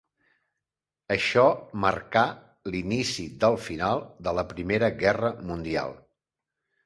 Això marcà l'inici del final de la Primera Guerra Mundial.